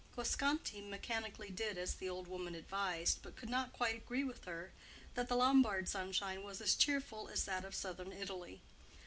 Guasconti mechanically did as the old woman advised, but could not quite agree with her that the Paduan sunshine was as cheerful as that of southern Italy.